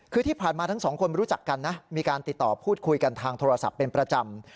คือที่ผ่านมาทั้งสองคนรู้จักกันนะมีการติดต่อพูดคุยกันทางโทรศัพท์เป็นประจำ